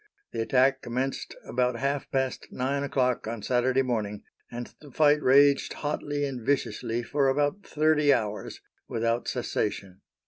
The attack commenced about half past nine o'clock on Saturday morning, and the fight raged hotly and viciously for about thirty hours without cessation.